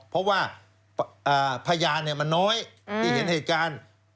เพราะว่าพยานมันน้อยที่เห็นเหตุการณ์